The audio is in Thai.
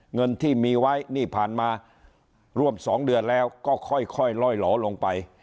เงินที่มีไว้นี่ผ่านมาร่วม๒เดือนแล้วก็ค่อยล่อยหล่อลงไป